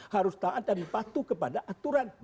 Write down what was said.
harus taat dan patuh kepada aturan